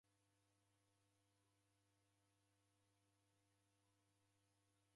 Chapati radekwa